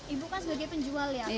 ibu kan sebagai penjual ya